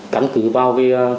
cắn cứ vào